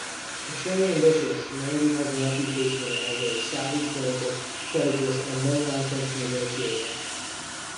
Extremely ambitious, Mandy has a reputation as a savvy political strategist and no-nonsense negotiator.